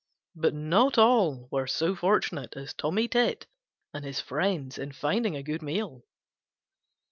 But not all were so fortunate as Tommy Tit and his friends in finding a good meal.